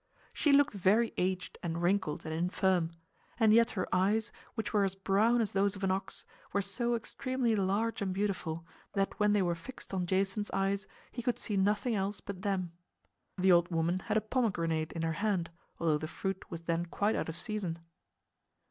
She looked very aged and wrinkled and infirm; and yet her eyes, which were as brown as those of an ox, were so extremely large and beautiful that when they were fixed on Jason's eyes he could see nothing else but them. The old woman had a pomegranate in her hand, although the fruit was then quite out of season.